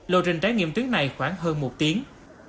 lộ trình trải nghiệm tuyến này khoảng hơn một tiếng